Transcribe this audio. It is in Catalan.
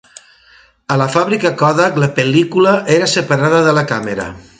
A la fàbrica Kodak, la pel·lícula era separada de la càmera.